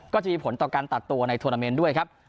ก็จะมีผลต่อการตัดตัวในทวนาเมนด้วยครับ